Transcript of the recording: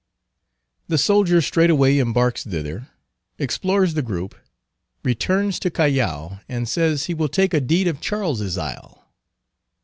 The soldier straightway embarks thither, explores the group, returns to Callao, and says he will take a deed of Charles's Isle.